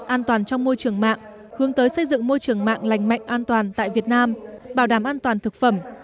an toàn trong môi trường mạng hướng tới xây dựng môi trường mạng lành mạnh an toàn tại việt nam bảo đảm an toàn thực phẩm